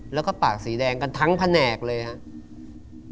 แล้วก็ปากสีแดงกันทั้งแผนกเลยครับ